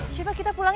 sifah kita pulangin